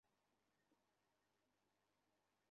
সবাই তখনও বাহ্যিকভাবে আবু সুফিয়ানের নেতৃত্ব মেনে চলছিল।